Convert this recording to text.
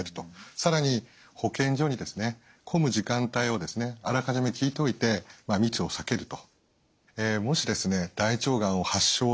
更に保健所に混む時間帯をあらかじめ聞いておいて密を避けると。